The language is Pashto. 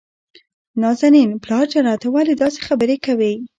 نازنين: پلار جانه ته ولې داسې خبرې کوي؟